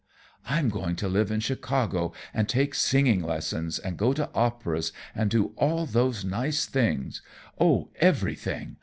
"I'm going to live in Chicago, and take singing lessons, and go to operas, and do all those nice things oh, everything!